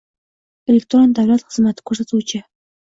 Elektron davlat xizmatlari ko‘rsatuvchi